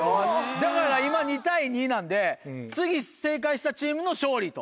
だから今２対２なんで次正解したチームの勝利と。